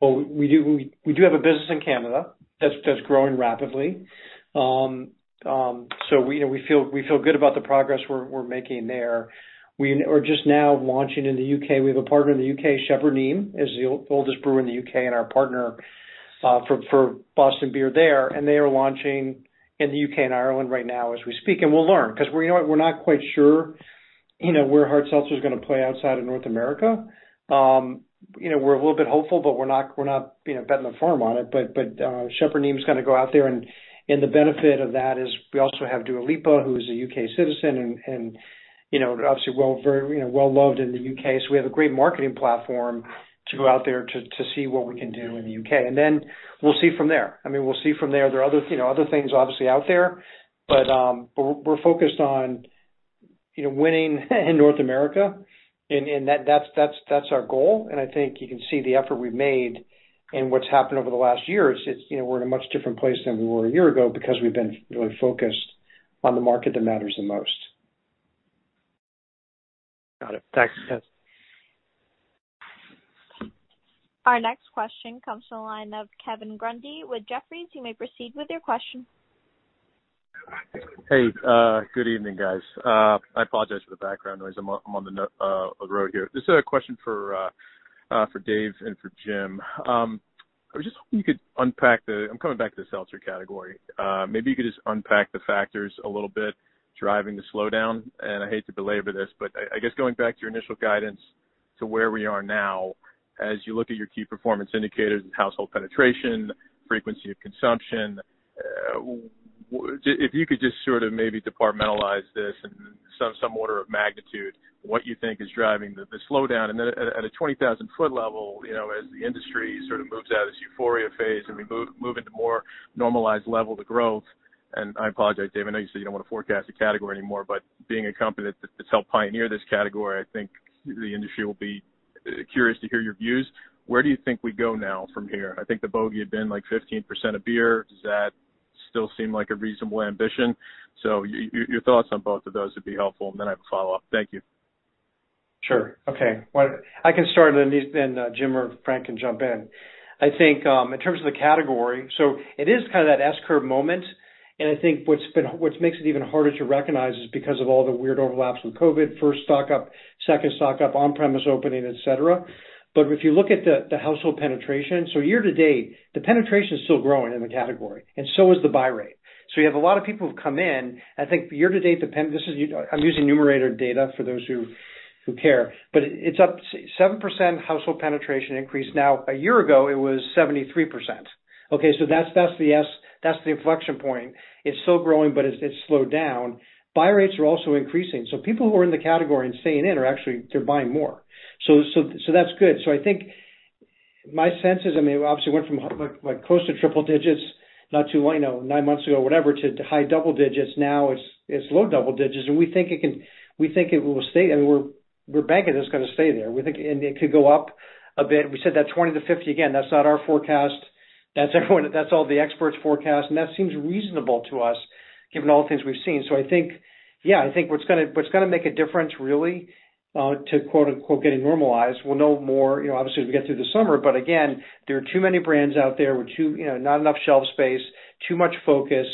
Well, we do have a business in Canada that's growing rapidly. We feel good about the progress we're making there. We are just now launching in the U.K. We have a partner in the U.K., Shepherd Neame, is the oldest brewer in the U.K., and our partner for Boston Beer there, and they are launching in the U.K. and Ireland right now as we speak. We'll learn, because we're not quite sure where hard seltzer is going to play outside of North America. We're a little bit hopeful, but we're not betting the farm on it. Shepherd Neame is going to go out there, and the benefit of that is we also have Dua Lipa, who is a U.K. citizen and obviously well-loved in the U.K. We have a great marketing platform to go out there to see what we can do in the U.K. Then we'll see from there. There are other things, obviously, out there, but we're focused on winning in North America, and that's our goal, and I think you can see the effort we've made and what's happened over the last year. We're in a much different place than we were a year ago because we've been really focused on the market that matters the most. Got it. Thanks, guys. Our next question comes from the line of Kevin Grundy with Jefferies. You may proceed with your question. Hey, good evening, guys. I apologize for the background noise. I'm on the road here. This is a question for Dave and for Jim. I'm coming back to the seltzer category. Maybe you could just unpack the factors a little bit driving the slowdown. I hate to belabor this, but I guess going back to your initial guidance to where we are now, as you look at your key performance indicators and household penetration, frequency of consumption, if you could just sort of maybe departmentalize this in some order of magnitude, what you think is driving the slowdown. At a 20,000 ft level, as the industry sort of moves out of this euphoria phase and we move into more normalized level to growth, I apologize, Dave, I know you said you don't want to forecast a category anymore, but being a company that's helped pioneer this category, I think the industry will be curious to hear your views. Where do you think we go now from here? I think the bogey had been like 15% of beer. Does that still seem like a reasonable ambition? Your thoughts on both of those would be helpful. I have a follow-up. Thank you. Sure. Okay. I can start on this. Jim or Frank can jump in. I think in terms of the category, it is kind of that S-curve moment. I think what makes it even harder to recognize is because of all the weird overlaps with COVID. First stock up, second stock up, on-premise opening, et cetera. If you look at the household penetration, year-to-date, the penetration is still growing in the category, and so is the buy rate. You have a lot of people who've come in, I think year-to-date, I'm using Numerator data for those who care, it's up 7% household penetration increase. A year ago, it was 73%. Okay, that's the inflection point. It's still growing, it's slowed down. Buy rates are also increasing. People who are in the category and staying in are actually buying more. That's good. I think my sense is, we obviously went from close to triple digits not too long, nine months ago, whatever, to high double digits. Now it's low double digits, and we think it will stay. We're banking it's going to stay there. It could go up a bit. We said that 20%-50%, again, that's not our forecast. That's all the experts' forecast, and that seems reasonable to us given all the things we've seen. I think, yeah, what's going to make a difference really to quote unquote "getting normalized," we'll know more, obviously, as we get through the summer. Again, there are too many brands out there with not enough shelf space, too much focus,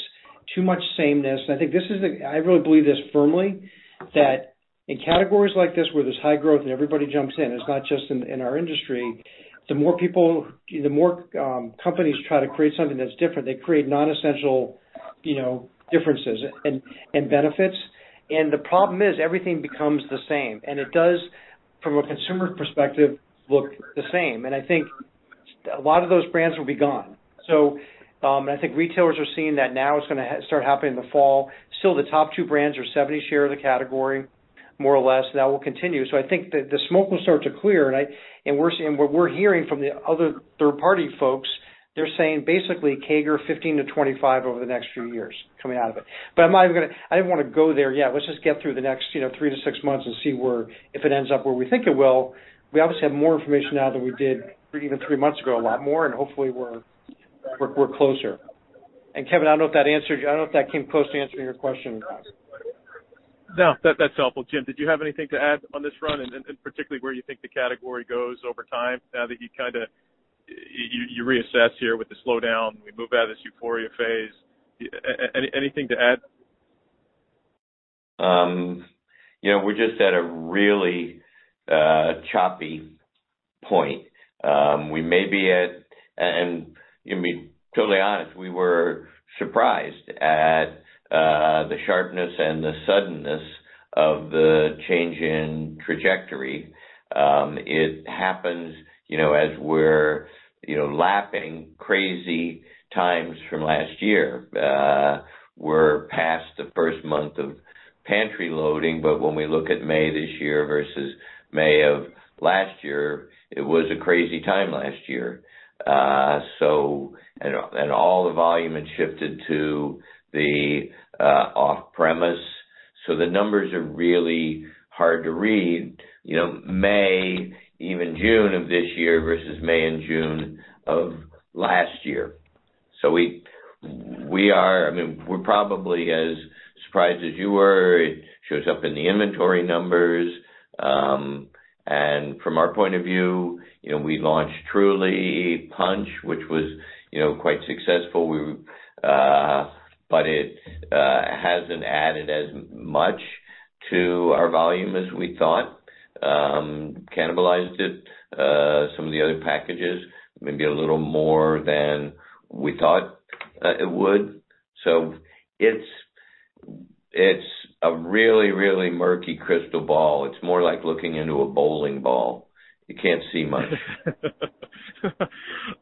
too much sameness. I really believe this firmly, that in categories like this where there's high growth and everybody jumps in, it's not just in our industry, the more companies try to create something that's different, they create non-essential differences and benefits. The problem is everything becomes the same. It does, from a consumer perspective, look the same. I think a lot of those brands will be gone. I think retailers are seeing that now it's going to start happening in the fall. Still, the top two brands are 70 share of the category, more or less. That will continue. I think the smoke will start to clear, and what we're hearing from the other third-party folks, they're saying basically CAGR 15%-25% over the next few years coming out of it. I didn't want to go there yet. Let's just get through the next three to six months and see if it ends up where we think it will. We obviously have more information now than we did even three months ago, a lot more, and hopefully we're closer. Kevin, I don't know if that came close to answering your question. No, that's helpful. Jim, did you have anything to add on this front, particularly where you think the category goes over time now that you kind of reassess here with the slowdown, we move out of this euphoria phase? Anything to add? We're just at a really choppy point. To be totally honest, we were surprised at the sharpness and the suddenness of the change in trajectory. It happens as we're lapping crazy times from last year. We're past the first month of pantry loading, but when we look at May this year versus May of last year, it was a crazy time last year. All the volume had shifted to the off-premise. The numbers are really hard to read. May, even June of this year versus May and June of last year. We're probably as surprised as you were. It shows up in the inventory numbers. From our point of view, we launched Truly Punch, which was quite successful. It hasn't added as much to our volume as we thought. Cannibalized it, some of the other packages, maybe a little more than we thought it would. It's a really murky crystal ball. It's more like looking into a bowling ball. You can't see much.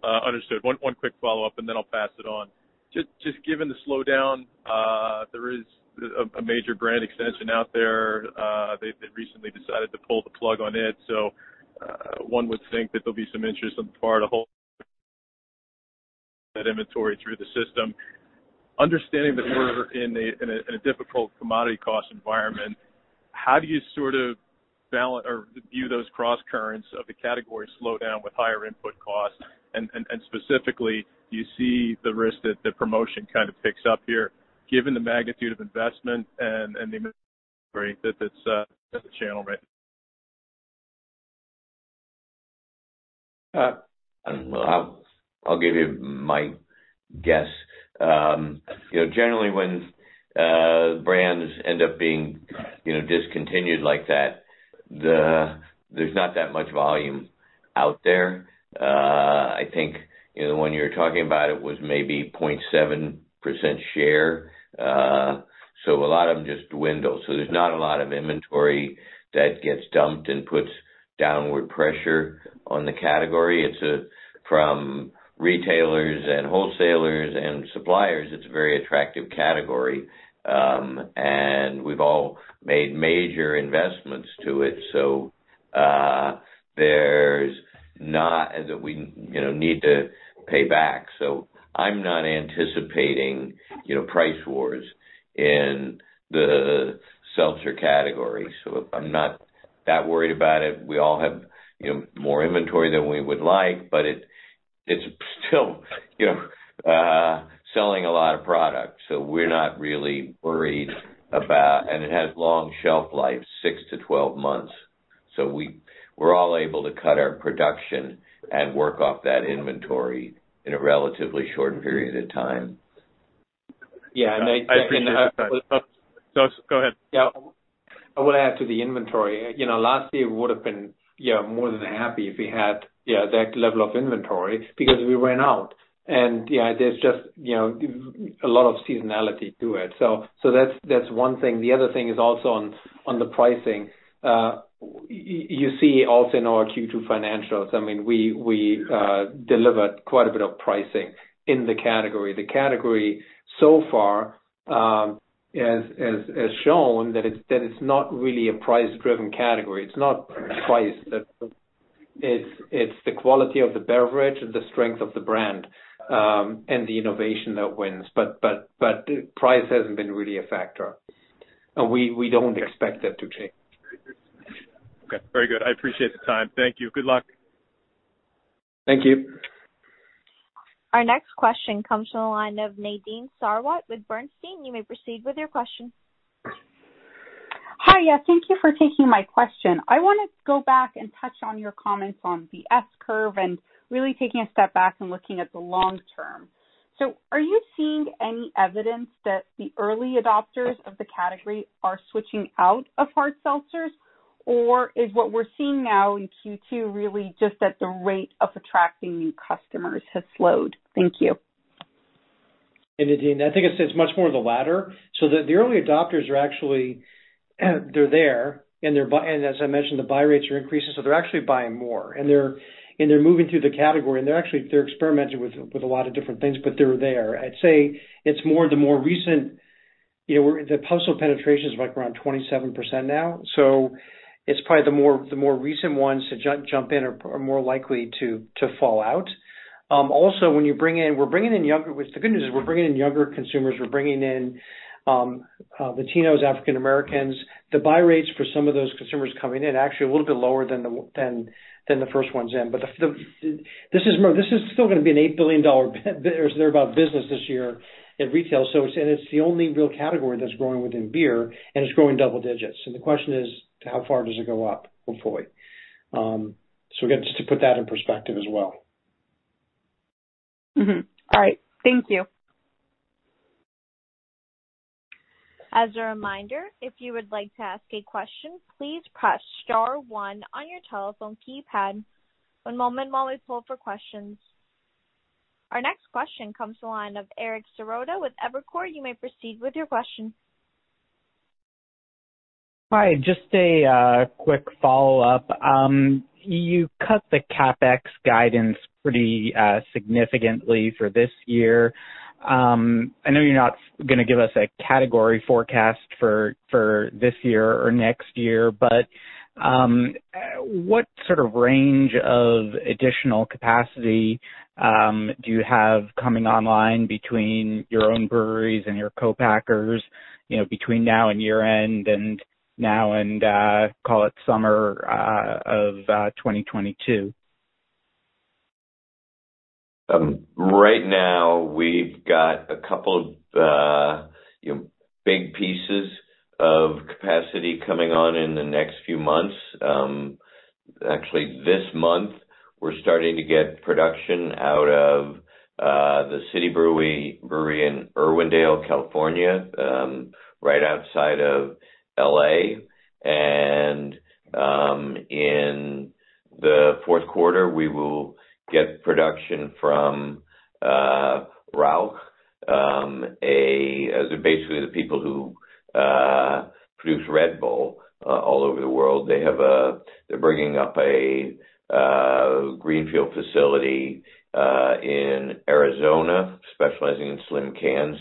Understood. One quick follow-up, and then I'll pass it on. Just given the slowdown, there is a major brand extension out there. They've recently decided to pull the plug on it, so one would think that there'll be some interest on the part of whole that inventory through the system. Understanding that we're in a difficult commodity cost environment, how do you sort of balance or view those crosscurrents of the category slowdown with higher input costs? And specifically, do you see the risk that the promotion kind of picks up here, given the magnitude of investment and the inventory that's in the channel right? Well, I'll give you my guess. Generally, when brands end up being discontinued like that, there's not that much volume out there. I think the one you're talking about, it was maybe 0.7% share. A lot of them just dwindle. There's not a lot of inventory that gets dumped and puts downward pressure on the category. From retailers and wholesalers and suppliers, it's a very attractive category. We've all made major investments to it, there's not That we need to pay back. I'm not anticipating price wars in the seltzer category. I'm not that worried about it. We all have more inventory than we would like, but it's still selling a lot of product, so we're not really worried about. It has long shelf life, six to 12 months. We're all able to cut our production and work off that inventory in a relatively short period of time. Yeah, I appreciate the time. I think. Go ahead. I would add to the inventory. Last year, we would have been more than happy if we had that level of inventory because we ran out. There's just a lot of seasonality to it. That's one thing. The other thing is also on the pricing. You see also in our Q2 financials, we delivered quite a bit of pricing in the category. The category so far has shown that it's not really a price-driven category. It's the quality of the beverage, the strength of the brand, and the innovation that wins. Price hasn't been really a factor. We don't expect that to change. Okay. Very good. I appreciate the time. Thank you. Good luck. Thank you. Our next question comes from the line of Nadine Sarwat with Bernstein. You may proceed with your question. Hi. Yeah, thank you for taking my question. I want to go back and touch on your comments on the S-curve and really taking a step back and looking at the long term. Are you seeing any evidence that the early adopters of the category are switching out of hard seltzers? Or is what we're seeing now in Q2 really just that the rate of attracting new customers has slowed? Thank you. Hey, Nadine, I think it's much more of the latter. The early adopters are actually, they're there and as I mentioned, the buy rates are increasing, so they're actually buying more and they're moving through the category, and they're experimenting with a lot of different things, but they're there. I'd say it's more the more recent. The household penetration is around 27% now, so it's probably the more recent ones to jump in are more likely to fall out. The good news is we're bringing in younger consumers, we're bringing in Latinos, African Americans. The buy rates for some of those consumers coming in are actually a little bit lower than the first ones in. This is still going to be an $8 billion or thereabout business this year in retail. It's the only real category that's growing within beer, and it's growing double digits. The question is, to how far does it go up, hopefully? Again, just to put that in perspective as well. All right. Thank you. As a reminder, if you would like to ask a question, please press star one on your telephone keypad. One moment while we poll for questions. Our next question comes to the line of Eric Serotta with Evercore. You may proceed with your question. Hi, just a quick follow-up. You cut the CapEx guidance pretty significantly for this year. I know you're not going to give us a category forecast for this year or next year, but what sort of range of additional capacity do you have coming online between your own breweries and your co-packers between now and year-end and now and, call it, summer of 2022? Right now, we've got a couple of big pieces of capacity coming on in the next few months. Actually, this month, we're starting to get production out of the City Brewing in Irwindale, California, right outside of L.A. In the fourth quarter, we will get production from Rauch, basically the people who produce Red Bull all over the world. They're bringing up a greenfield facility in Arizona specializing in slim cans.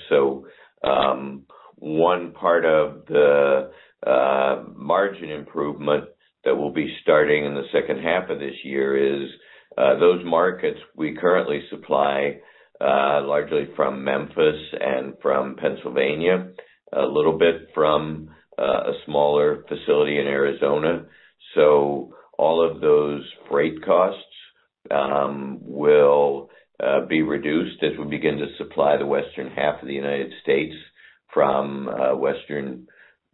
One part of the margin improvement that we'll be starting in the second half of this year is those markets we currently supply largely from Memphis and from Pennsylvania, a little bit from a smaller facility in Arizona. All of those freight costs will be reduced as we begin to supply the western half of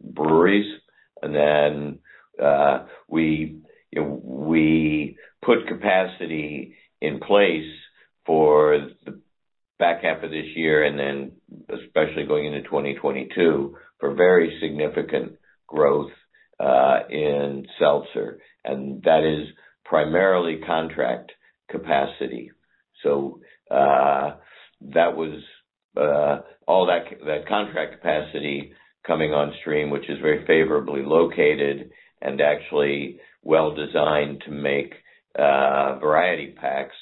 the United States from western breweries. Then we put capacity in place for the back half of this year, then especially going into 2022, for very significant growth in seltzer, and that is primarily contract capacity. All that contract capacity coming on stream, which is very favorably located and actually well-designed to make variety packs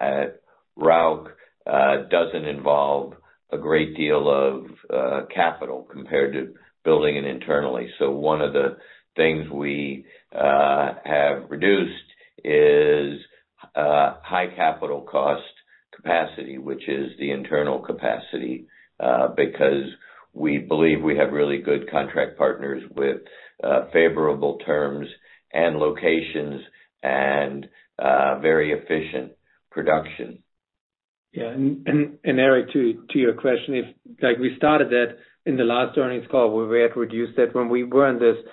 at Rauch, doesn't involve a great deal of capital compared to building it internally. One of the things we have reduced is high capital cost capacity, which is the internal capacity, because we believe we have really good contract partners with favorable terms and locations and very efficient production. Yeah. Eric, to your question, we started that in the last earnings call where we had reduced that. When we were in this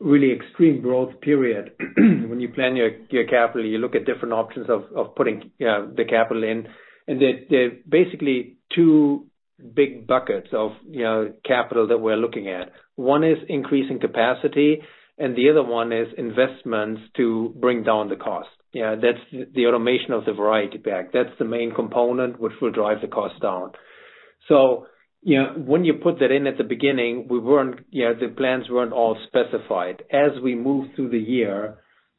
really extreme growth period, when you plan your capital, you look at different options of putting the capital in. There are basically two big buckets of capital that we're looking at. One is increasing capacity, and the other one is investments to bring down the cost. That's the automation of the variety pack. That's the main component which will drive the cost down. When you put that in at the beginning, the plans weren't all specified. As we moved through the year,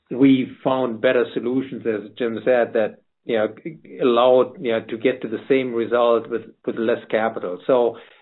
we found better solutions, as Jim said, that allowed to get to the same result with less capital.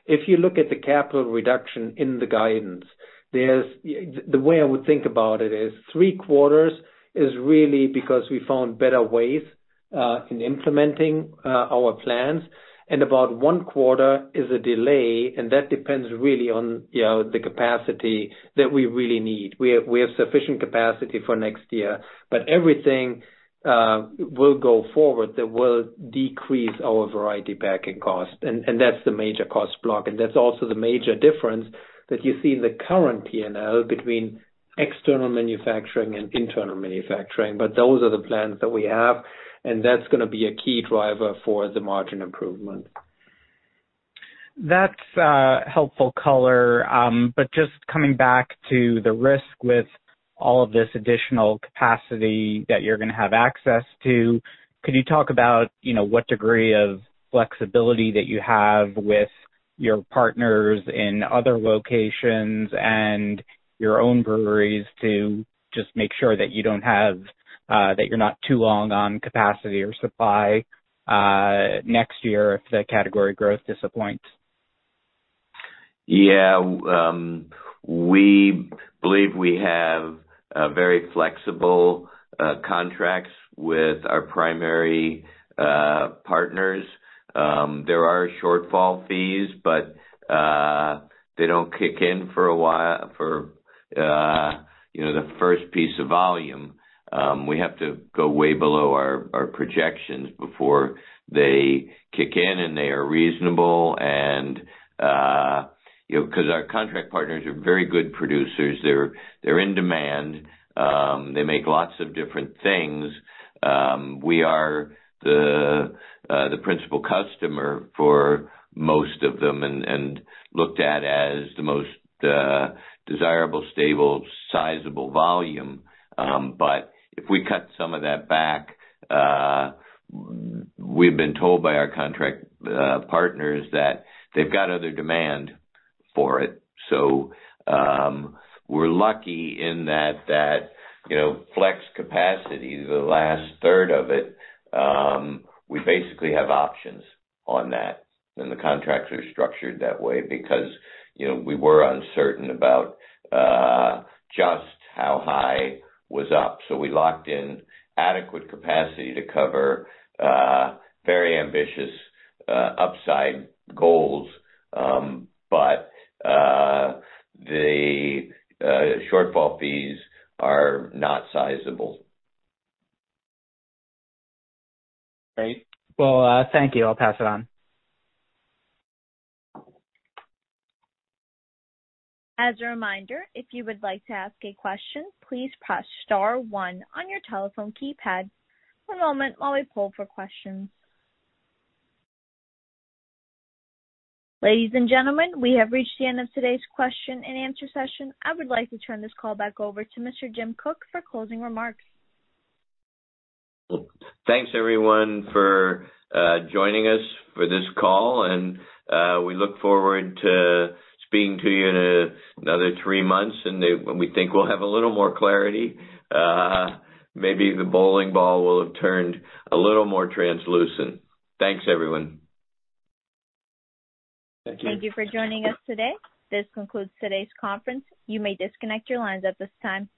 If you look at the CapEx reduction in the guidance, the way I would think about it is three quarters is really because we found better ways in implementing our plans, and about one quarter is a delay, and that depends really on the capacity that we really need. We have sufficient capacity for next year, everything will go forward that will decrease our variety packing cost. That's the major cost block, and that's also the major difference that you see in the current P&L between external manufacturing and internal manufacturing. Those are the plans that we have, and that's going to be a key driver for the margin improvement. That's helpful color. Just coming back to the risk with all of this additional capacity that you're going to have access to, could you talk about what degree of flexibility that you have with your partners in other locations and your own breweries to just make sure that you're not too long on capacity or supply next year if the category growth disappoints? We believe we have very flexible contracts with our primary partners. There are shortfall fees, but they don't kick in for a while, for the first piece of volume. We have to go way below our projections before they kick in, and they are reasonable. Our contract partners are very good producers. They're in demand. They make lots of different things. We are the principal customer for most of them and looked at as the most desirable, stable, sizable volume. If we cut some of that back, we've been told by our contract partners that they've got other demand for it. We're lucky in that flex capacity, the last third of it, we basically have options on that. The contracts are structured that way because we were uncertain about just how high was up. We locked in adequate capacity to cover very ambitious upside goals. The shortfall fees are not sizable. Well, thank you. I'll pass it on. As a reminder, if you would like to ask a question, please press star one on your telephone keypad. One moment while we poll for questions. Ladies and gentlemen, we have reached the end of today's question and answer session. I would like to turn this call back over to Mr. Jim Koch for closing remarks. Well, thanks everyone for joining us for this call, and we look forward to speaking to you in another three months when we think we'll have a little more clarity. Maybe the bowling ball will have turned a little more translucent. Thanks, everyone. Thank you. Thank you for joining us today. This concludes today's conference. You may disconnect your lines at this time.